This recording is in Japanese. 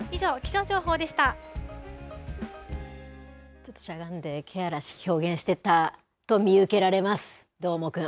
ちょっとしゃがんで、気嵐、表現してたと見受けられます、どーもくん。